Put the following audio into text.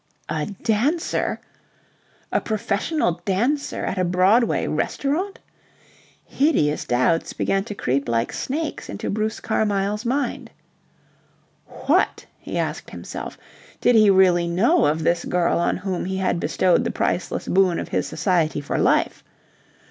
A dancer! A professional dancer at a Broadway restaurant! Hideous doubts began to creep like snakes into Bruce Carmyle's mind. What, he asked himself, did he really know of this girl on whom he had bestowed the priceless boon of his society for life?